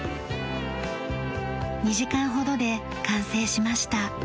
２時間ほどで完成しました。